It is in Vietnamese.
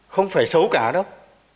không phải xấu cả đâu